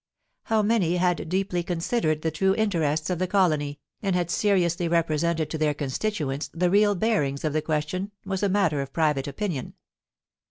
... How many had deeply considered the true interests of the colony, and had seriously represented to their constituents the real bearings of the question, was a matter of private opinion.